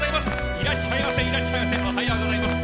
いらっしゃいませ、いらっしゃいませ、おはようございます。